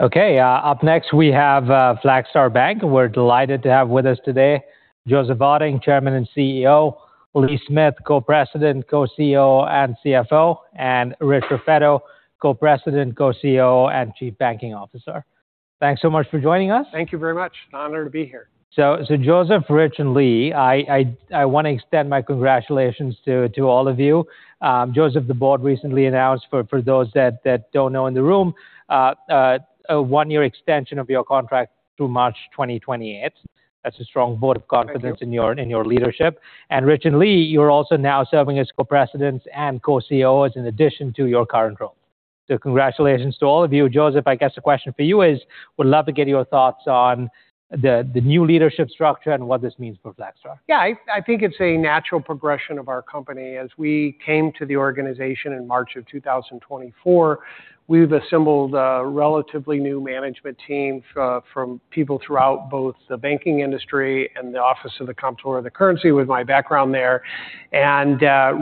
Okay. Up next we have a Flagstar Bank. We're delighted to have with us today Joseph Otting, Chairman and Chief Executive Officer, Lee Smith, Co-President, Co-COO, and CFO, and Rich Raffetto, Co-President, Co-COO, and Chief Banking Officer. Thanks so much for joining us. Thank you very much. An honor to be here. Joseph, Rich, and Lee, I want to extend my congratulations to all of you. Joseph, the board recently announced, for those that don't know in the room, a one-year extension of your contract through March 2028. That's a strong vote of confidence. Thank you In your leadership. Rich and Lee, you're also now serving as Co-Presidents and Co-CEOs in addition to your current role. Congratulations to all of you. Joseph, I guess the question for you is, would love to get your thoughts on the new leadership structure and what this means for Flagstar. I think it's a natural progression of our company. As we came to the organization in March of 2024, we've assembled a relatively new management team from people throughout both the banking industry and the Office of the Comptroller of the Currency with my background there.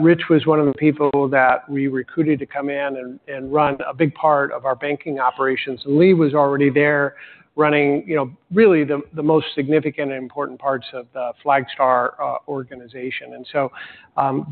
Rich was one of the people that we recruited to come in and run a big part of our banking operations. Lee was already there running really the most significant and important parts of the Flagstar organization.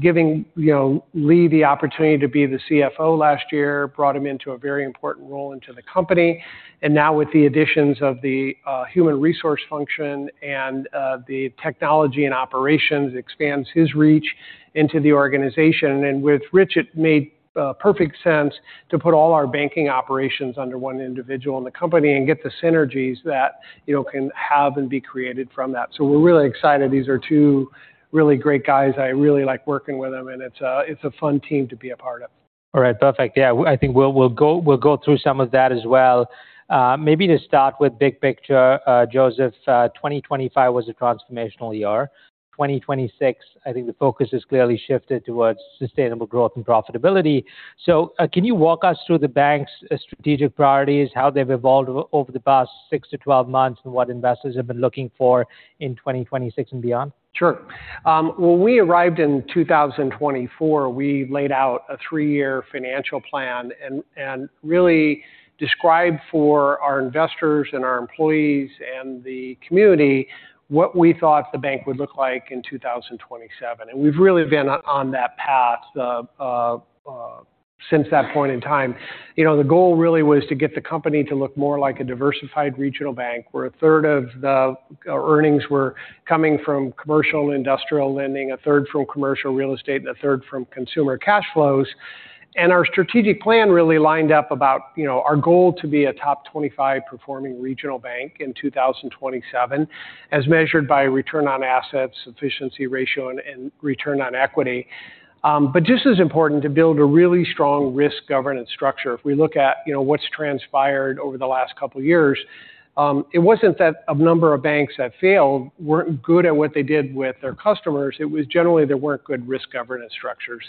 Giving Lee the opportunity to be the CFO last year brought him into a very important role into the company. Now with the additions of the human resource function and the technology and operations expands his reach into the organization. With Rich, it made perfect sense to put all our banking operations under one individual in the company and get the synergies that can have and be created from that. We're really excited. These are two really great guys. I really like working with them, and it's a fun team to be a part of. Alright. Perfect. I think we'll go through some of that as well. Maybe to start with big picture Joseph, 2025 was a transformational year. 2026, I think the focus has clearly shifted towards sustainable growth and profitability. Can you walk us through the bank's strategic priorities, how they've evolved over the past 6-12 months, and what investors have been looking for in 2026 and beyond? Sure. When we arrived in 2024, we laid out a three-year financial plan and really described for our investors and our employees and the community what we thought the bank would look like in 2027. We've really been on that path since that point in time. The goal really was to get the company to look more like a diversified regional bank, where a third of the earnings were coming from commercial and industrial lending, a third from commercial real estate, and a third from consumer cash flows. Our strategic plan really lined up about our goal to be a top 25 performing regional bank in 2027, as measured by return on assets, efficiency ratio, and return on equity. Just as important, to build a really strong risk governance structure. If we look at what's transpired over the last couple of years, it wasn't that a number of banks that failed weren't good at what they did with their customers. It was generally there weren't good risk governance structures.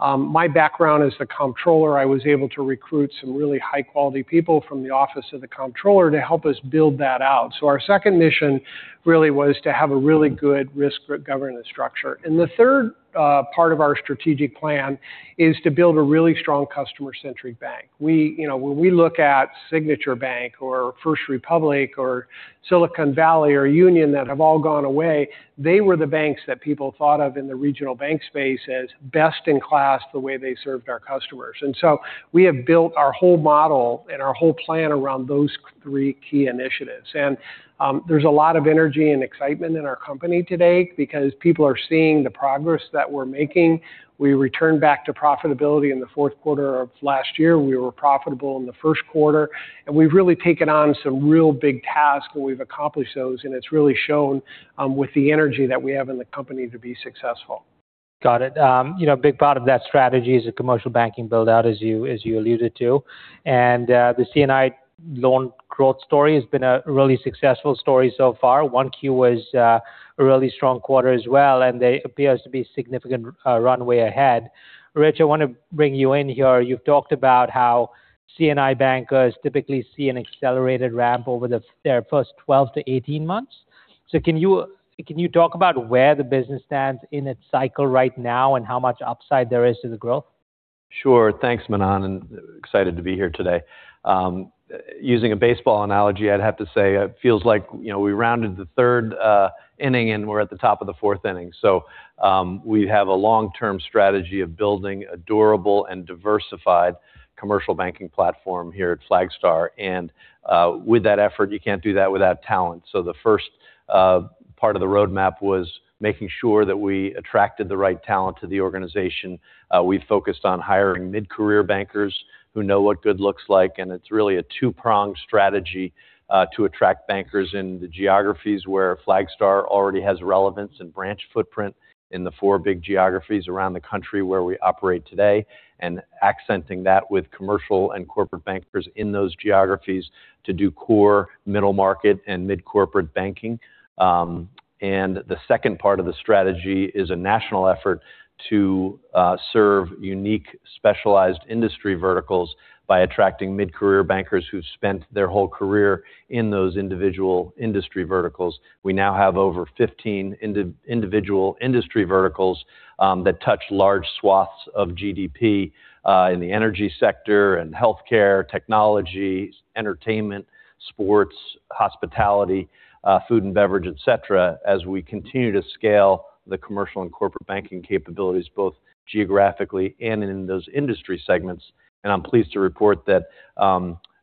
My background as the Comptroller, I was able to recruit some really high-quality people from the Office of the Comptroller to help us build that out. Our second mission really was to have a really good risk governance structure. The third part of our strategic plan is to build a really strong customer-centric bank. When we look at Signature Bank or First Republic or Silicon Valley or Union that have all gone away, they were the banks that people thought of in the regional bank space as best in class the way they served our customers. We have built our whole model and our whole plan around those three key initiatives. There's a lot of energy and excitement in our company today because people are seeing the progress that we're making. We returned back to profitability in the fourth quarter of last year. We were profitable in the first quarter. We've really taken on some real big tasks and we've accomplished those, and it's really shown with the energy that we have in the company to be successful. Got it. A big part of that strategy is a commercial banking build-out, as you alluded to. The C&I loan growth story has been a really successful story so far. 1Q was a really strong quarter as well, there appears to be significant runway ahead. Rich, I want to bring you in here. You've talked about how C&I bankers typically see an accelerated ramp over their first 12-18 months. Can you talk about where the business stands in its cycle right now and how much upside there is to the growth? Sure. Thanks, Manan, excited to be here today. Using a baseball analogy, I'd have to say it feels like we rounded the third inning and we're at the top of the fourth inning. We have a long-term strategy of building a durable and diversified commercial banking platform here at Flagstar. With that effort, you can't do that without talent. The first part of the roadmap was making sure that we attracted the right talent to the organization. We focused on hiring mid-career bankers who know what good looks like. It's really a two-pronged strategy to attract bankers in the geographies where Flagstar already has relevance and branch footprint in the four big geographies around the country where we operate today. Accenting that with commercial and corporate bankers in those geographies to do core middle market and mid-corporate banking. The second part of the strategy is a national effort to serve unique specialized industry verticals by attracting mid-career bankers who've spent their whole career in those individual industry verticals. We now have over 15 individual industry verticals that touch large swaths of GDP in the energy sector and healthcare, technology, entertainment, sports, hospitality, food and beverage, et cetera, as we continue to scale the commercial and corporate banking capabilities both geographically and in those industry segments. I'm pleased to report that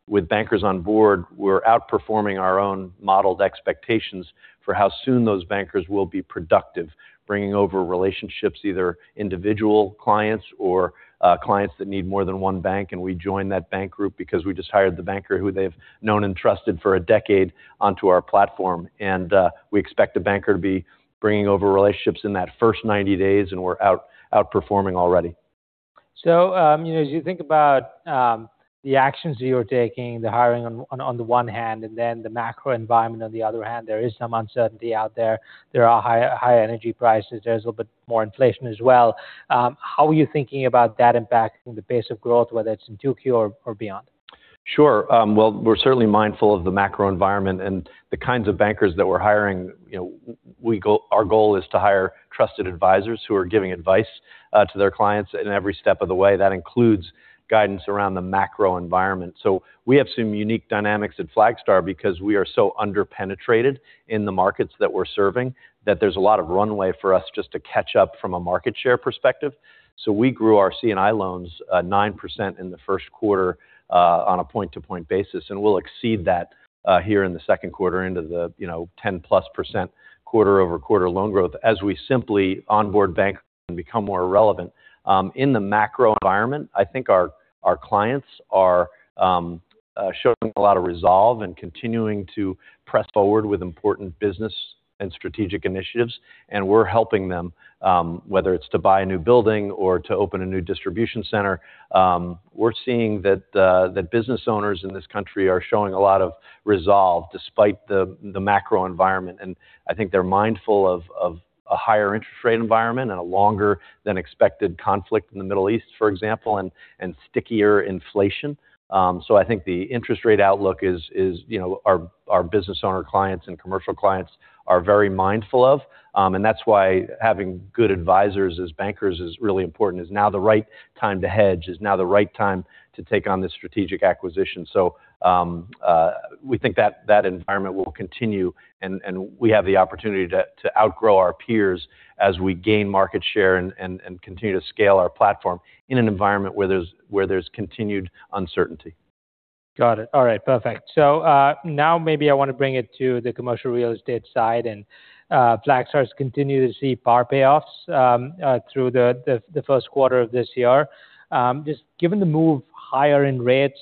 with bankers on board, we're outperforming our own modeled expectations for how soon those bankers will be productive, bringing over relationships, either individual clients or clients that need more than one bank. We join that bank group because we just hired the banker who they've known and trusted for a decade onto our platform. We expect the banker to be bringing over relationships in that first 90 days, and we're outperforming already. As you think about the actions that you're taking, the hiring on the one hand, and then the macro environment on the other hand, there is some uncertainty out there. There are higher energy prices. There's a little bit more inflation as well. How are you thinking about that impacting the pace of growth, whether it's in 2Q or beyond? Sure. Well, we're certainly mindful of the macro environment and the kinds of bankers that we're hiring. Our goal is to hire trusted advisors who are giving advice to their clients in every step of the way. That includes guidance around the macro environment. We have some unique dynamics at Flagstar because we are so under-penetrated in the markets that we're serving that there's a lot of runway for us just to catch up from a market share perspective. We grew our C&I loans 9% in the first quarter on a point-to-point basis, and we'll exceed that here in the second quarter into the 10%+ quarter-over-quarter loan growth as we simply onboard banks and become more relevant. In the macro environment, I think our clients are showing a lot of resolve and continuing to press forward with important business and strategic initiatives, and we're helping them whether it's to buy a new building or to open a new distribution center. We're seeing that business owners in this country are showing a lot of resolve despite the macro environment. I think they're mindful of a higher interest rate environment and a longer than expected conflict in the Middle East, for example, and stickier inflation. I think the interest rate outlook is our business owner clients and commercial clients are very mindful of. That's why having good advisors as bankers is really important. Is now the right time to hedge? Is now the right time to take on this strategic acquisition? We think that environment will continue, and we have the opportunity to outgrow our peers as we gain market share and continue to scale our platform in an environment where there's continued uncertainty. Got it. All right, perfect. Now maybe I want to bring it to the commercial real estate side and Flagstar's continued to see par payoffs through the first quarter of this year. Just given the move higher in rates,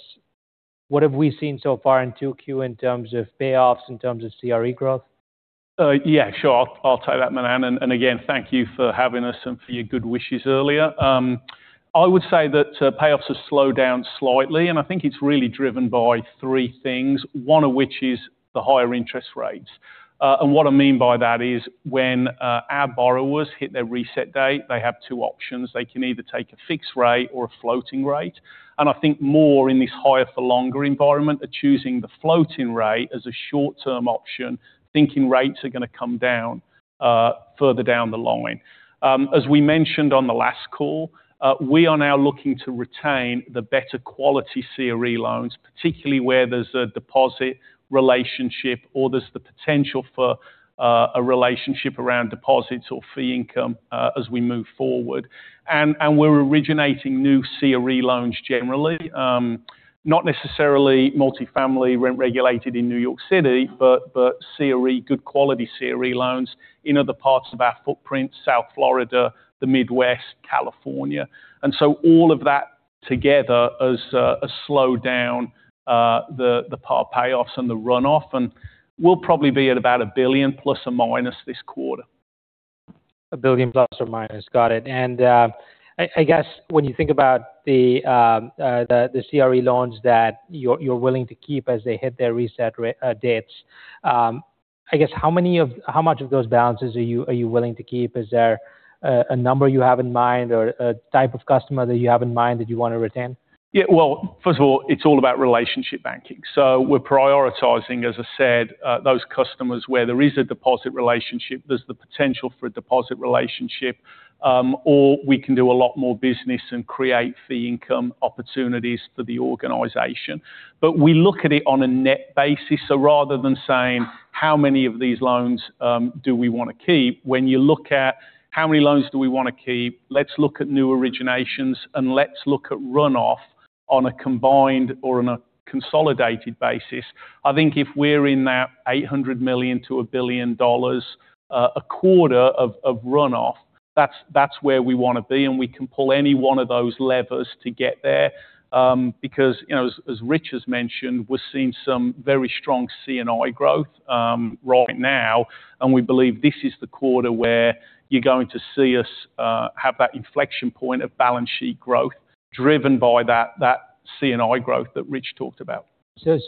what have we seen so far in 2Q in terms of payoffs, in terms of CRE growth? Yeah, sure. I'll take that, Manan. Again, thank you for having us and for your good wishes earlier. I would say that payoffs have slowed down slightly, and I think it's really driven by three things, one of which is the higher interest rates. What I mean by that is when our borrowers hit their reset date, they have two options. They can either take a fixed rate or a floating rate. I think more in this higher for longer environment are choosing the floating rate as a short-term option, thinking rates are going to come down further down the line. As we mentioned on the last call, we are now looking to retain the better quality CRE loans, particularly where there's a deposit relationship or there's the potential for a relationship around deposits or fee income as we move forward. We're originating new CRE loans generally. Not necessarily multifamily rent-regulated in New York City, but good quality CRE loans in other parts of our footprint, South Florida, the Midwest, California. All of that together has slowed down the par payoffs and the runoff, and we'll probably be at about $1± billion this quarter. $1± billion. Got it. I guess when you think about the CRE loans that you're willing to keep as they hit their reset dates, I guess how much of those balances are you willing to keep? Is there a number you have in mind or a type of customer that you have in mind that you want to retain? Yeah. Well, first of all, it's all about relationship banking. We're prioritizing, as I said, those customers where there is a deposit relationship, there's the potential for a deposit relationship, or we can do a lot more business and create fee income opportunities for the organization. We look at it on a net basis. Rather than saying how many of these loans do we want to keep, when you look at how many loans do we want to keep, let's look at new originations and let's look at runoff on a combined or on a consolidated basis. I think if we're in that $800 million-$1 billion a quarter of runoff, that's where we want to be, and we can pull any one of those levers to get there because as Rich has mentioned, we're seeing some very strong C&I growth right now. We believe this is the quarter where you're going to see us have that inflection point of balance sheet growth driven by that C&I growth that Rich talked about.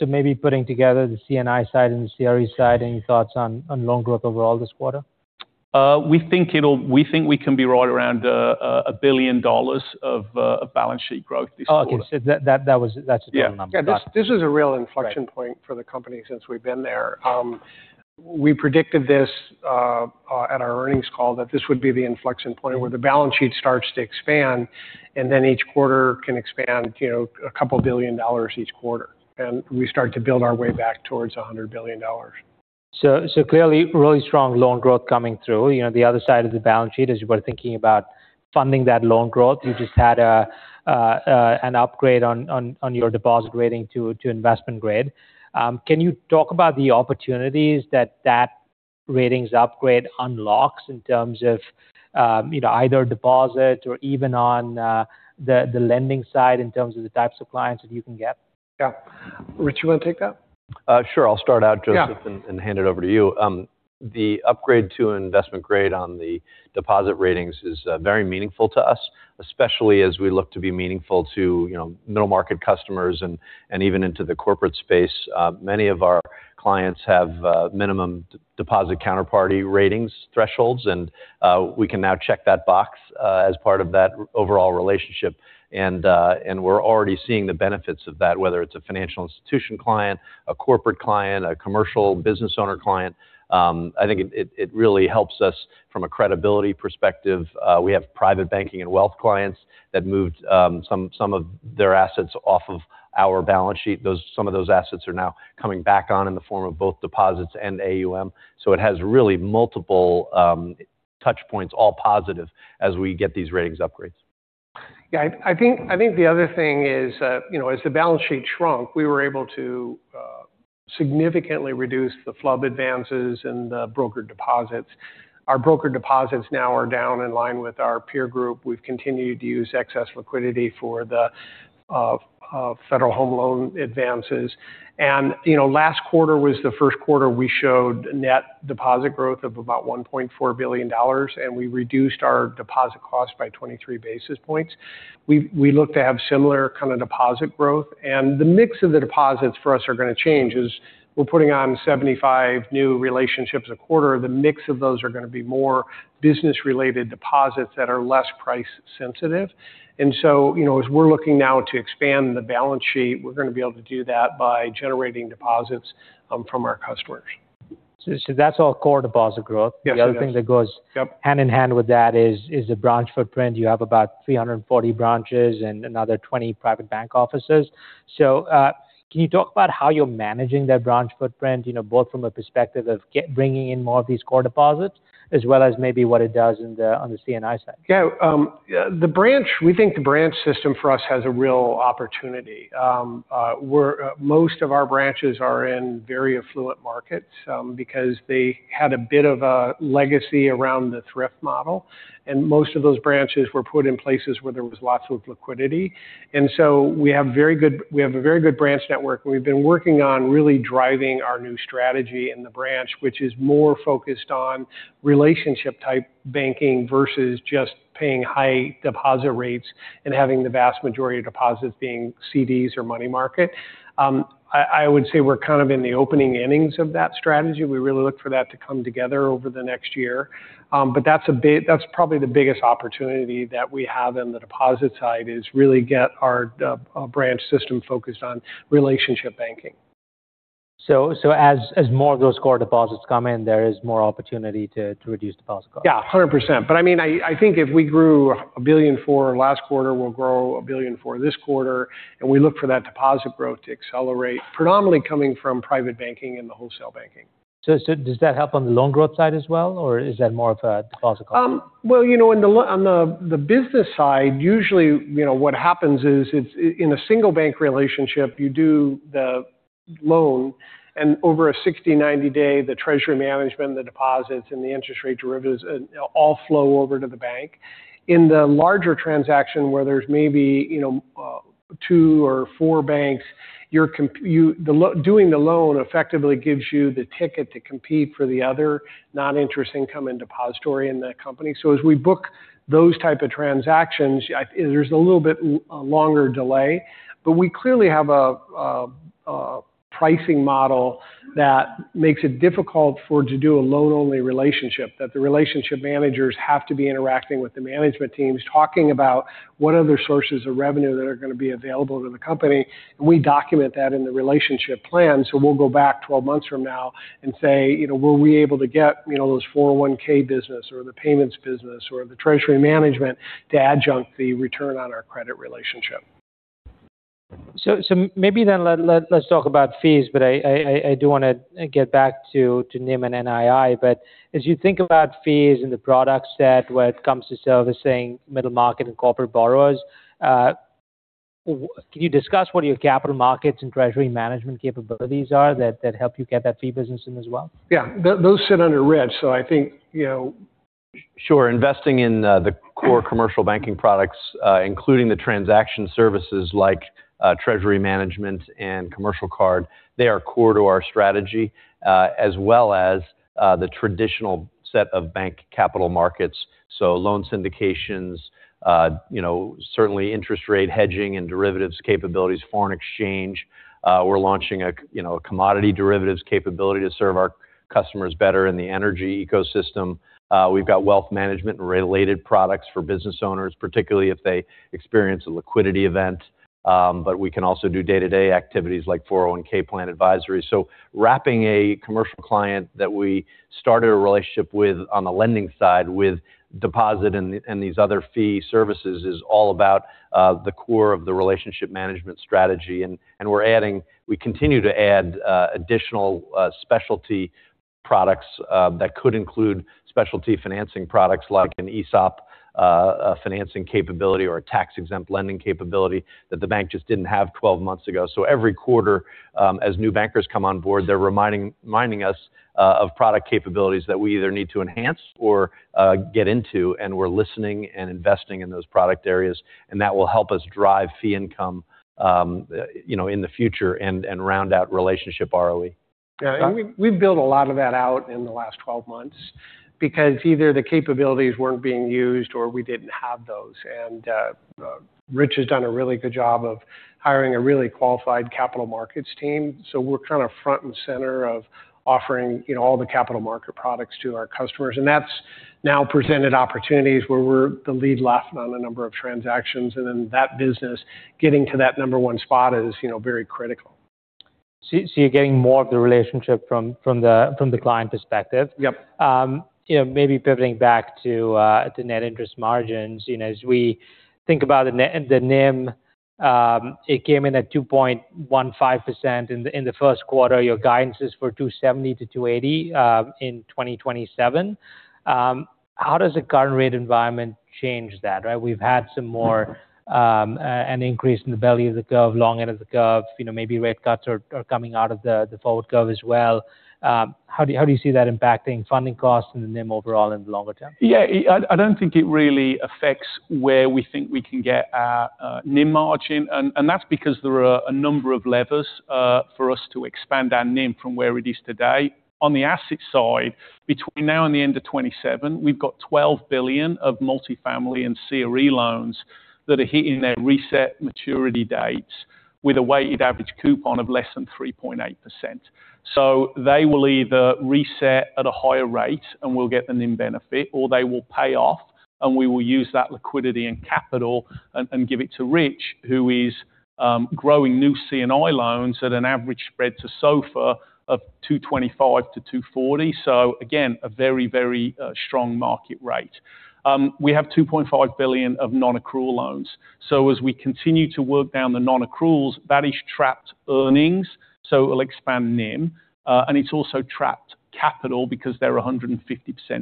Maybe putting together the C&I side and the CRE side, any thoughts on loan growth overall this quarter? We think we can be right around $1 billion of balance sheet growth this quarter. Okay. That's the total number. Got it. Yeah. This is a real inflection point for the company since we've been there. We predicted this at our earnings call that this would be the inflection point where the balance sheet starts to expand, and then each quarter can expand a couple billion dollars each quarter, and we start to build our way back towards $100 billion. Clearly really strong loan growth coming through. The other side of the balance sheet as you were thinking about funding that loan growth, you just had an upgrade on your deposit rating to investment grade. Can you talk about the opportunities that that ratings upgrade unlocks in terms of either deposit or even on the lending side in terms of the types of clients that you can get? Yeah. Rich, you want to take that? Sure. I'll start out, Joseph. Yeah I'll hand it over to you. The upgrade to an investment grade on the deposit ratings is very meaningful to us, especially as we look to be meaningful to middle-market customers and even into the corporate space. Many of our clients have minimum deposit counterparty ratings thresholds, and we can now check that box as part of that overall relationship. We're already seeing the benefits of that, whether it's a financial institution client, a corporate client, a commercial business owner client. I think it really helps us from a credibility perspective. We have private banking and wealth clients that moved some of their assets off of our balance sheet. Some of those assets are now coming back on in the form of both deposits and AUM. It has really multiple touchpoints, all positive, as we get these ratings upgrades. Yeah. I think the other thing is as the balance sheet shrunk, we were able to significantly reduce the FHLB advances and the brokered deposits. Our brokered deposits now are down in line with our peer group. We've continued to use excess liquidity for the Federal Home Loan Bank advances. Last quarter was the first quarter we showed net deposit growth of about $1.4 billion, and we reduced our deposit cost by 23 basis points. We look to have similar kind of deposit growth. The mix of the deposits for us are going to change as we're putting on 75 new relationships a quarter. The mix of those are going to be more business-related deposits that are less price sensitive. As we're looking now to expand the balance sheet, we're going to be able to do that by generating deposits from our customers. That's all core deposit growth. Yes, it is. The other thing that goes- Yep Hand-in-hand with that is the branch footprint. You have about 340 branches and another 20 private bank offices. Can you talk about how you're managing that branch footprint both from a perspective of bringing in more of these core deposits as well as maybe what it does on the C&I side? Yeah. We think the branch system for us has a real opportunity, where most of our branches are in very affluent markets because they had a bit of a legacy around the thrift model. Most of those branches were put in places where there was lots of liquidity. We have a very good branch network, and we've been working on really driving our new strategy in the branch, which is more focused on relationship-type banking versus just paying high deposit rates and having the vast majority of deposits being CDs or money market. I would say we're kind of in the opening innings of that strategy. We really look for that to come together over the next year. That's probably the biggest opportunity that we have in the deposit side is really get our branch system focused on relationship banking. As more of those core deposits come in, there is more opportunity to reduce deposit costs. Yeah, 100%. I think if we grew $1.4 billion last quarter, we'll grow $1.4 billion this quarter, and we look for that deposit growth to accelerate, predominantly coming from private banking and the wholesale banking. Does that help on the loan growth side as well? Or is that more of a deposit cost? On the business side, usually what happens is in a single bank relationship, you do the loan, and over a 60, 90-day, the treasury management, the deposits, and the interest rate derivatives all flow over to the bank. In the larger transaction, where there's maybe two or four banks, doing the loan effectively gives you the ticket to compete for the other non-interest income and depository in that company. As we book those type of transactions, there's a little bit longer delay. We clearly have a pricing model that makes it difficult to do a loan-only relationship, that the relationship managers have to be interacting with the management teams, talking about what other sources of revenue that are going to be available to the company. We document that in the relationship plan. We'll go back 12 months from now and say, "Were we able to get those 401(k) business or the payments business or the treasury management to adjunct the return on our credit relationship? Maybe then let's talk about fees, but I do want to get back to NIM and NII. As you think about fees and the product set when it comes to servicing middle market and corporate borrowers, can you discuss what your capital markets and treasury management capabilities are that help you get that fee business in as well? Yeah. Those sit under Rich. Sure. Investing in the core commercial banking products including the transaction services like Treasury Management and commercial card, they are core to our strategy as well as the traditional set of bank capital markets. Loan syndications, certainly interest rate hedging and derivatives capabilities, foreign exchange. We're launching a commodity derivatives capability to serve our customers better in the energy ecosystem. We've got wealth management and related products for business owners, particularly if they experience a liquidity event. We can also do day-to-day activities like 401(k) plan advisory. Wrapping a commercial client that we started a relationship with on the lending side with deposit and these other fee services is all about the core of the relationship management strategy. We continue to add additional specialty products that could include specialty financing products like an ESOP financing capability or a tax-exempt lending capability that the bank just didn't have 12 months ago. Every quarter, as new bankers come on board, they're reminding us of product capabilities that we either need to enhance or get into, and we're listening and investing in those product areas. That will help us drive fee income in the future and round out relationship ROE. Yeah. We've built a lot of that out in the last 12 months because either the capabilities weren't being used or we didn't have those. Rich has done a really good job of hiring a really qualified capital markets team. We're kind of front and center of offering all the capital market products to our customers, and that's now presented opportunities where we're the lead left on a number of transactions. In that business, getting to that number one spot is very critical. You're getting more of the relationship from the client perspective. Yep. Maybe pivoting back to the net interest margins. As we think about the NIM, it came in at 2.15% in the first quarter. Your guidance is for 270-280 in 2027. How does the current rate environment change that, right? We've had an increase in the belly of the curve, long end of the curve. Maybe rate cuts are coming out of the forward curve as well. How do you see that impacting funding costs and the NIM overall in the longer term? Yeah. I don't think it really affects where we think we can get our NIM margin. That's because there are a number of levers for us to expand our NIM from where it is today. On the asset side, between now and the end of 2027, we've got $12 billion of multifamily and CRE loans that are hitting their reset maturity dates with a weighted average coupon of less than 3.8%. They will either reset at a higher rate and we'll get the NIM benefit, or they will pay off and we will use that liquidity and capital and give it to Rich, who is growing new C&I loans at an average spread to SOFR of 225-240. Again, a very strong market rate. We have $2.5 billion of non-accrual loans. As we continue to work down the non-accruals, that is trapped earnings, so it'll expand NIM. It's also trapped capital because they're 150%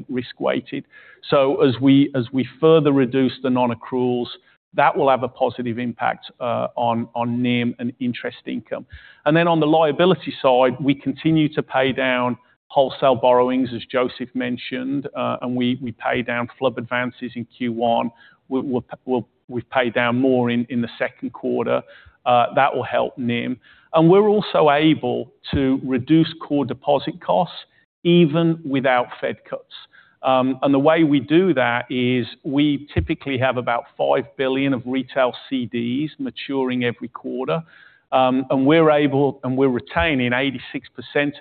risk-weighted. As we further reduce the non-accruals, that will have a positive impact on NIM and interest income. Then on the liability side, we continue to pay down wholesale borrowings, as Joseph mentioned. We paid down FHLB advances in Q1. We've paid down more in the second quarter. That will help NIM. We're also able to reduce core deposit costs even without Fed cuts. The way we do that is we typically have about $5 billion of retail CDs maturing every quarter. We're retaining 86%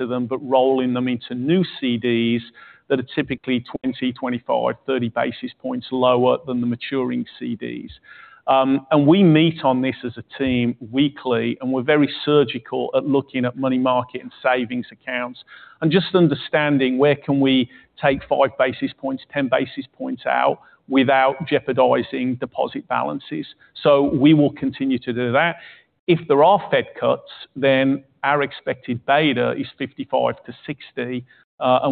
of them, but rolling them into new CDs that are typically 20, 25, 30 basis points lower than the maturing CDs. We meet on this as a team weekly, and we're very surgical at looking at money market and savings accounts and just understanding where can we take five basis points, 10 basis points out without jeopardizing deposit balances. We will continue to do that. If there are Fed cuts, our expected beta is 55-60.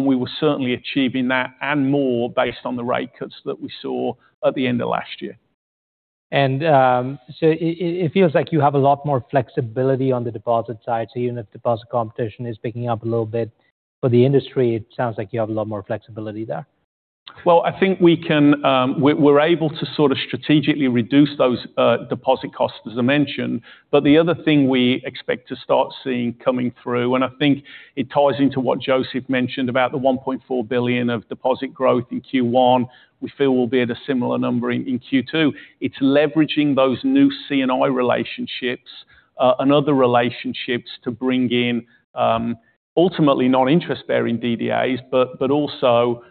We were certainly achieving that and more based on the rate cuts that we saw at the end of last year. It feels like you have a lot more flexibility on the deposit side. Even if deposit competition is picking up a little bit for the industry, it sounds like you have a lot more flexibility there. Well, I think we're able to sort of strategically reduce those deposit costs, as I mentioned. The other thing we expect to start seeing coming through, and I think it ties into what Joseph mentioned about the $1.4 billion of deposit growth in Q1, we feel we'll be at a similar number in Q2. It's leveraging those new C&I relationships, and other relationships to bring in, ultimately, non-interest-bearing DDAs, but also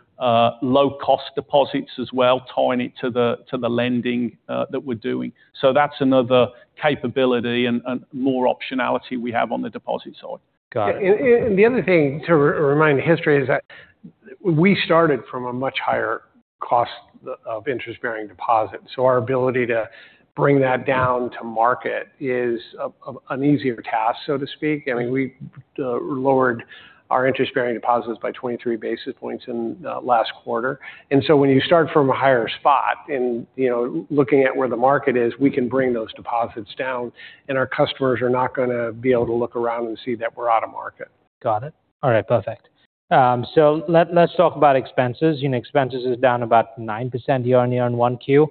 low-cost deposits as well, tying it to the lending that we're doing. That's another capability and more optionality we have on the deposit side. Got it. The other thing to remind the history is that we started from a much higher cost of interest-bearing deposits. Our ability to bring that down to market is an easier task, so to speak. I mean, we lowered our interest-bearing deposits by 23 basis points in the last quarter. When you start from a higher spot and looking at where the market is, we can bring those deposits down, and our customers are not going to be able to look around and see that we're out of market. Got it. All right, perfect. Let's talk about expenses. Expenses is down about 9% year-over-year in 1Q.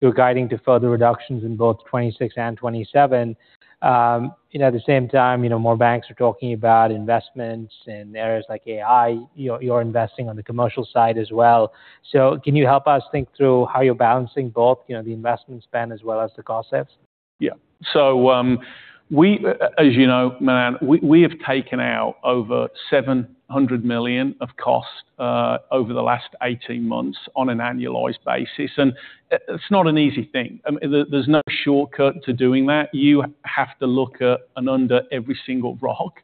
You're guiding to further reductions in both 2026 and 2027. At the same time, more banks are talking about investments in areas like AI. You're investing on the commercial side as well. Can you help us think through how you're balancing both the investment spend as well as the cost saves? Yeah. As you know, Manan, we have taken out over $700 million of cost over the last 18 months on an annualized basis. It's not an easy thing. There's no shortcut to doing that. You have to look and under every single rock.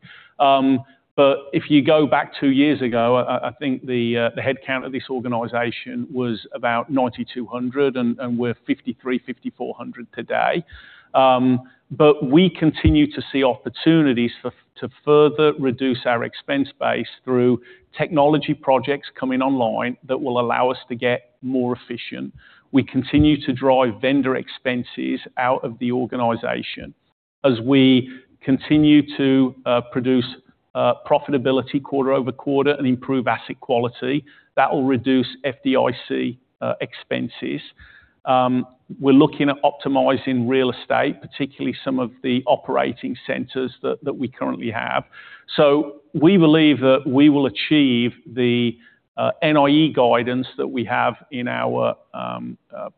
If you go back two years ago, I think the headcount of this organization was about 9,200, and we're 5,300, 5,400 today. We continue to see opportunities to further reduce our expense base through technology projects coming online that will allow us to get more efficient. We continue to drive vendor expenses out of the organization. As we continue to produce profitability quarter-over-quarter and improve asset quality, that will reduce FDIC expenses. We're looking at optimizing real estate, particularly some of the operating centers that we currently have. We believe that we will achieve the NIE guidance that we have in our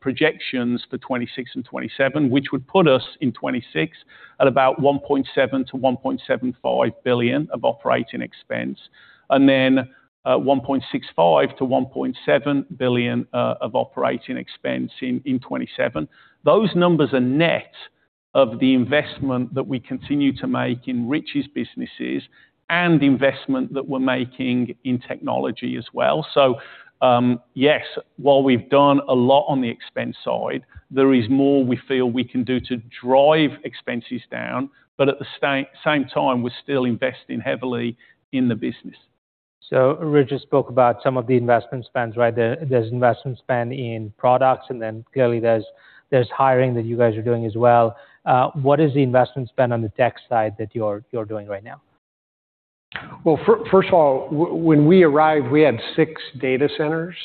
projections for 2026 and 2027, which would put us in 2026 at about $1.7 billion-$1.75 billion of operating expense. $1.65 billion-$1.7 billion of operating expense in 2027. Those numbers are net of the investment that we continue to make in Rich's businesses and the investment that we're making in technology as well. Yes, while we've done a lot on the expense side, there is more we feel we can do to drive expenses down. At the same time, we're still investing heavily in the business. Rich has spoken about some of the investment spends right there. There's investment spend in products, clearly there's hiring that you guys are doing as well. What is the investment spend on the tech side that you're doing right now? First of all, when we arrived, we had six data centers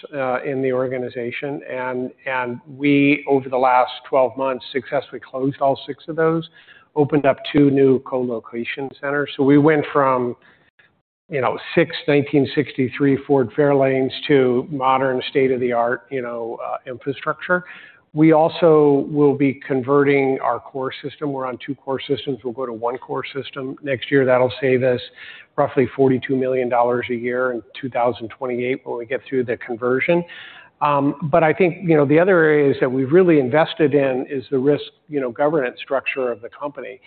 in the organization, we, over the last 12 months, successfully closed all six of those, opened up two new co-location centers. We went from six 1963 Ford Fairlanes to modern state-of-the-art infrastructure. We also will be converting our core system. We're on two core systems. We'll go to one core system next year. That'll save us roughly $42 million a year in 2028 when we get through the conversion. I think the other areas that we've really invested in is the risk governance structure of the company.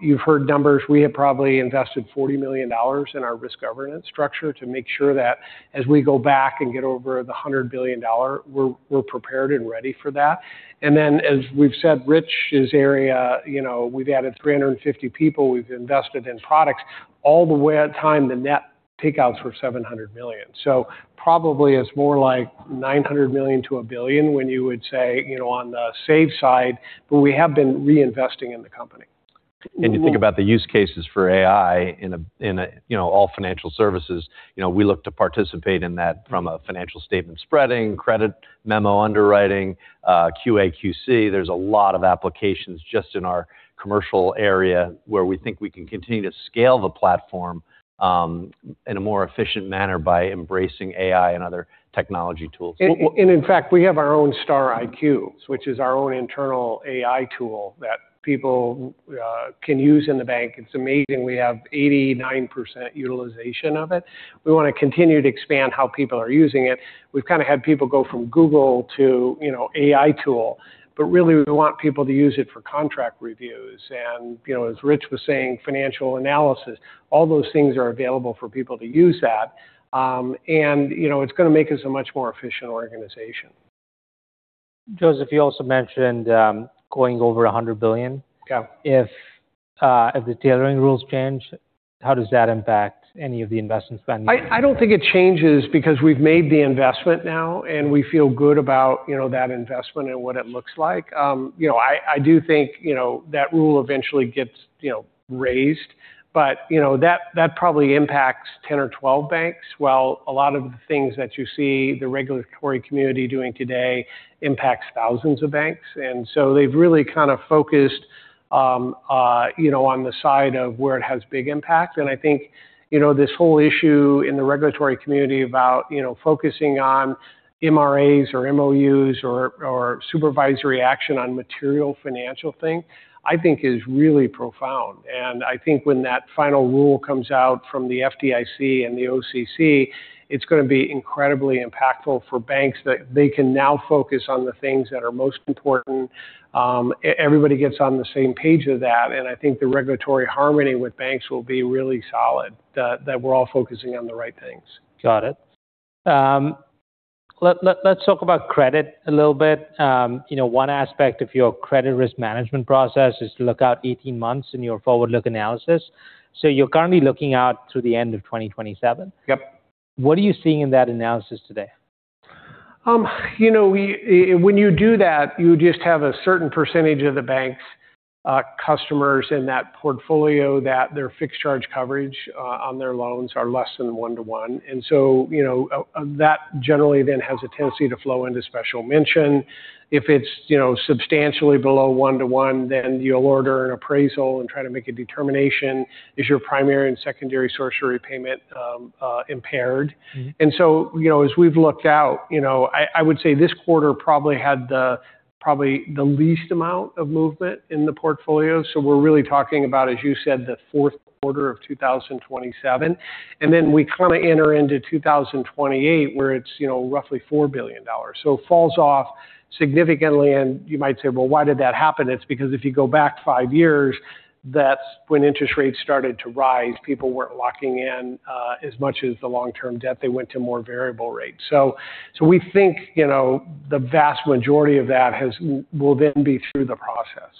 You've heard numbers. We have probably invested $40 million in our risk governance structure to make sure that as we go back and get over the $100 billion, we're prepared and ready for that. As we've said, Rich's area, we've added 350 people. We've invested in products all the way at time the net takeouts were $700 million. Probably it's more like $900 million-$1 billion when you would say on the safe side. We have been reinvesting in the company. You think about the use cases for AI in all financial services. We look to participate in that from a financial statement spreading, credit memo underwriting, QA/QC. There's a lot of applications just in our commercial area where we think we can continue to scale the platform in a more efficient manner by embracing AI and other technology tools. In fact, we have our own StarIQ, which is our own internal AI tool that people can use in the bank. It's amazing. We have 89% utilization of it. We want to continue to expand how people are using it. We've kind of had people go from Google to AI tool, but really we want people to use it for contract reviews. As Rich was saying, financial analysis, all those things are available for people to use that. It's going to make us a much more efficient organization. Joseph, you also mentioned going over $100 billion. Yeah. If the tailoring rules change, how does that impact any of the investment spending? I don't think it changes because we've made the investment now, and we feel good about that investment and what it looks like. I do think that rule eventually gets raised, but that probably impacts 10 or 12 banks, while a lot of the things that you see the regulatory community doing today impacts thousands of banks. They've really kind of focused on the side of where it has big impact. I think this whole issue in the regulatory community about focusing on MRAs or MOUs or supervisory action on material financial thing, I think is really profound. I think when that final rule comes out from the FDIC and the OCC, it's going to be incredibly impactful for banks that they can now focus on the things that are most important. Everybody gets on the same page of that, I think the regulatory harmony with banks will be really solid, that we're all focusing on the right things. Got it. Let's talk about credit a little bit. One aspect of your credit risk management process is to look out 18 months in your forward-look analysis. You're currently looking out to the end of 2027. Yep. What are you seeing in that analysis today? When you do that, you just have a certain percentage of the bank's customers in that portfolio that their fixed charge coverage on their loans are less than 1:1. That generally then has a tendency to flow into special mention. If it's substantially below 1:1, then you'll order an appraisal and try to make a determination. Is your primary and secondary source of repayment impaired? As we've looked out, I would say this quarter probably had the least amount of movement in the portfolio. We're really talking about, as you said, the fourth quarter of 2027. Then we kind of enter into 2028, where it's roughly $4 billion. It falls off significantly, and you might say, "Well, why did that happen?" It's because if you go back five years, that's when interest rates started to rise. People weren't locking in as much as the long-term debt. They went to more variable rates. We think the vast majority of that will then be through the process.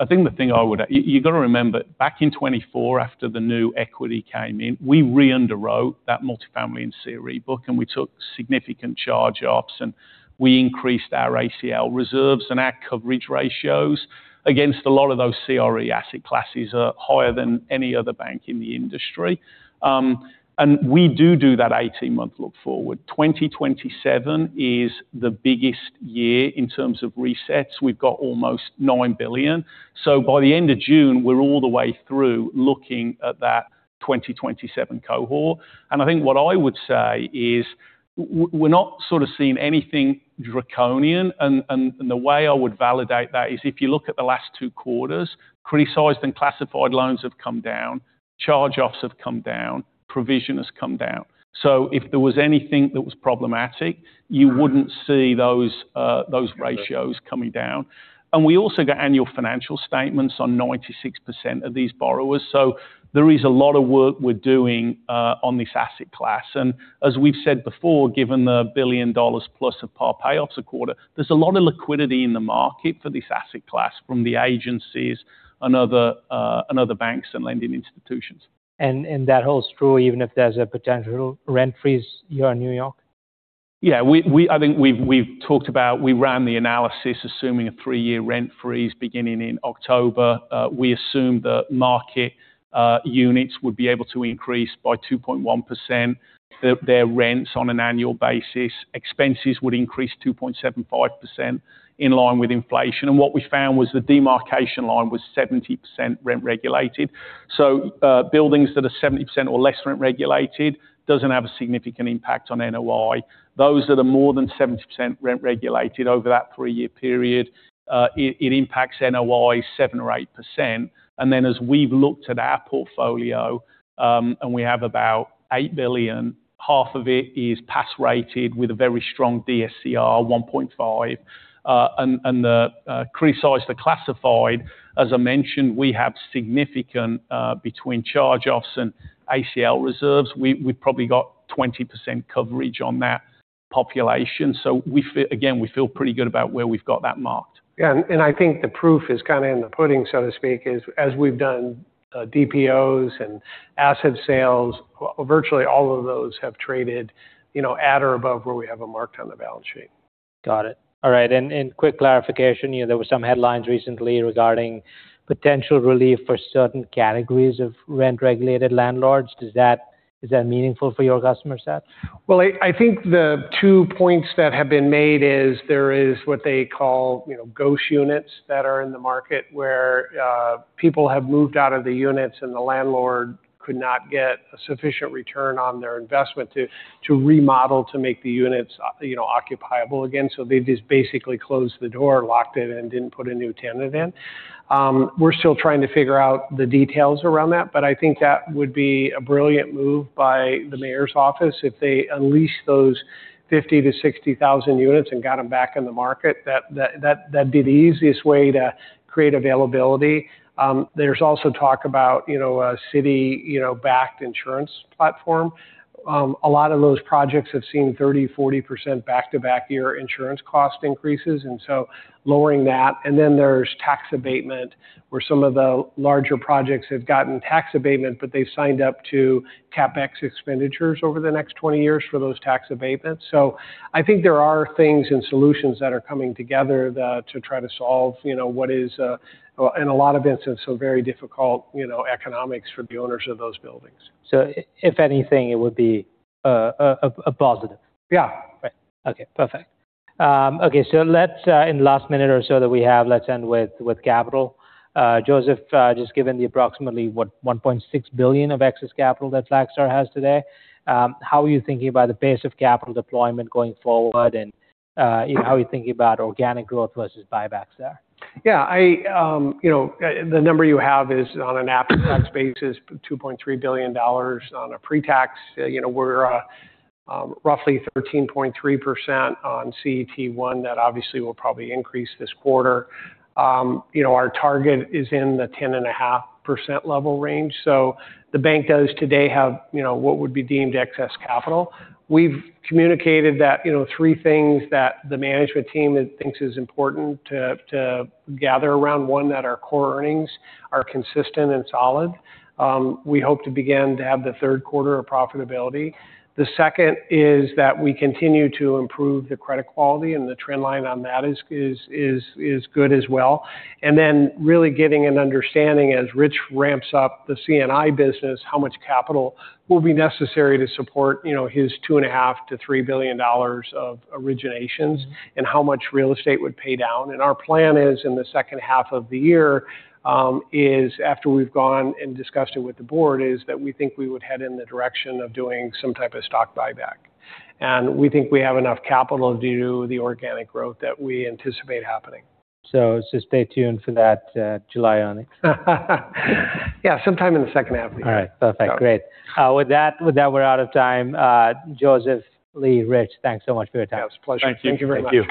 I think the thing I would add, you got to remember, back in 2024 after the new equity came in, we re-underwrote that multifamily and CRE book, and we took significant charge-offs, and we increased our ACL reserves and our coverage ratios. Against a lot of those CRE asset classes are higher than any other bank in the industry. We do that 18-month look forward. 2027 is the biggest year in terms of resets. We've got almost $9 billion. By the end of June, we're all the way through looking at that 2027 cohort. I think what I would say is we're not sort of seeing anything draconian. The way I would validate that is if you look at the last two quarters, criticized and classified loans have come down, charge-offs have come down, provision has come down. If there was anything that was problematic, You wouldn't see those ratios coming down. We also get annual financial statements on 96% of these borrowers. There is a lot of work we're doing on this asset class. As we've said before, given the $1 billion plus of par payoffs a quarter, there's a lot of liquidity in the market for this asset class from the agencies and other banks and lending institutions. That holds true even if there's a potential rent freeze here in New York? Yeah. I think we've talked about, we ran the analysis assuming a three-year rent freeze beginning in October. We assumed that market units would be able to increase by 2.1%, their rents on an annual basis. Expenses would increase 2.75% in line with inflation. What we found was the demarcation line was 70% rent-regulated. Buildings that are 70% or less rent-regulated doesn't have a significant impact on NOI. Those that are more than 70% rent-regulated over that three-year period it impacts NOI 7% or 8%. As we've looked at our portfolio and we have about $8 billion, half of it is pass rated with a very strong DSCR 1.5. The criticized or classified, as I mentioned, we have significant between charge-offs and ACL reserves. We've probably got 20% coverage on that population. Again, we feel pretty good about where we've got that marked. Yeah. I think the proof is kind of in the pudding, so to speak, is as we've done DPO and asset sales, virtually all of those have traded at or above where we have them marked on the balance sheet. Got it. All right. Quick clarification, there were some headlines recently regarding potential relief for certain categories of rent-regulated landlords. Is that meaningful for your customer set? I think the two points that have been made is there is what they call ghost units that are in the market where people have moved out of the units, and the landlord could not get a sufficient return on their investment to remodel to make the units occupiable again. They've just basically closed the door, locked it, and didn't put a new tenant in. We're still trying to figure out the details around that, but I think that would be a brilliant move by the mayor's office if they unleashed those 50,000-60,000 units and got them back in the market. That'd be the easiest way to create availability. There's also talk about a city-backed insurance platform. A lot of those projects have seen 30%, 40% back-to-back year insurance cost increases, lowering that. There's tax abatement, where some of the larger projects have gotten tax abatement, but they've signed up to CapEx expenditures over the next 20 years for those tax abatements. I think there are things and solutions that are coming together to try to solve what is, in a lot of instances, very difficult economics for the owners of those buildings. If anything, it would be a positive. Yeah. Right. Okay, perfect. Okay, in the last minute or so that we have, let's end with capital. Joseph just given the approximately what, $1.6 billion of excess capital that Flagstar has today. How are you thinking about the pace of capital deployment going forward and how are you thinking about organic growth versus buybacks there? Yeah. The number you have is on an after-tax basis, $2.3 billion on a pre-tax. We're roughly 13.3% on CET1. That obviously will probably increase this quarter. Our target is in the 10.5% level range. The bank does today have what would be deemed excess capital. We've communicated that three things that the management team thinks is important to gather around. One, that our core earnings are consistent and solid. We hope to begin to have the third quarter of profitability. The second is that we continue to improve the credit quality, and the trend line on that is good as well. Really getting an understanding as Rich ramps up the C&I business, how much capital will be necessary to support his $2.5 billion-$3 billion of originations and how much real estate would pay down. Our plan is in the second half of the year is after we've gone and discussed it with the board, is that we think we would head in the direction of doing some type of stock buyback. We think we have enough capital due to the organic growth that we anticipate happening. Stay tuned for that July earnings. Yeah, sometime in the second half of the year. All right. Perfect. Great. With that we're out of time. Joseph, Lee, Rich, thanks so much for your time. Yeah, it was a pleasure. Thank you very much. Thank you